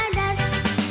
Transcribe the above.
kamu gimana telur dadar